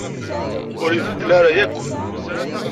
Ur ibeddel ara akk.